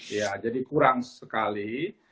iya jadi kurang sekali